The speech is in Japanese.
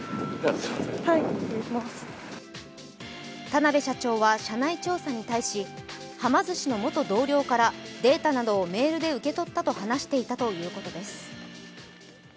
田辺社長は社内調査に対しはま寿司の元同僚からデータなどをメールで受け取ったと話していたということです。